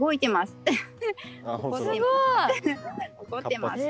すごい！怒ってます。